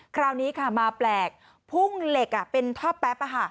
คราวนี้ค่ะมาแปลกพุ่งเหล็กเป็นท่อแป๊บ